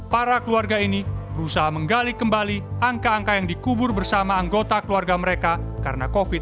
para keluarga ini berusaha menggali kembali angka angka yang dikubur bersama anggota keluarga mereka karena covid sembilan belas